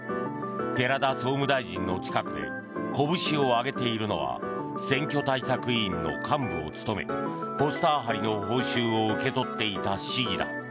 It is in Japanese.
寺田総務大臣の近くでこぶしを上げているのは選挙対策委員の幹部を務めポスター貼りの報酬を受け取っていた市議だ。